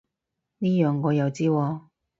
呢樣我又知喎